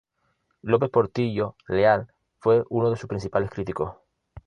López Portillo Leal fue uno de sus principales críticos.